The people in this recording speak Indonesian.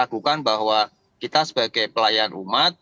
kita harus ragukan bahwa kita sebagai pelayan umat